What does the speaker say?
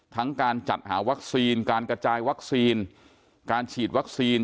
ทั้งการจัดหาวัคซีนการกระจายวัคซีนการฉีดวัคซีน